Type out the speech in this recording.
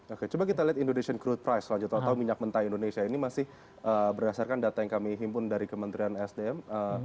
oke coba kita lihat indonesian crude price selanjutnya atau minyak mentah indonesia ini masih berdasarkan data yang kami himpun dari kementerian sdm